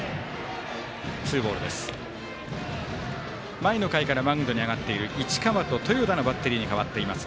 前の回からマウンドに上がっている市川と豊田のバッテリーに変わっています。